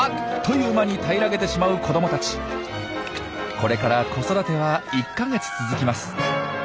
これから子育ては１か月続きます。